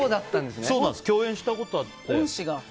共演したことがあって。